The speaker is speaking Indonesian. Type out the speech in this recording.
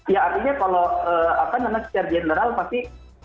ya artinya kalau secara general pasti